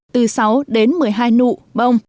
từ sáu đến một mươi hai nụ bông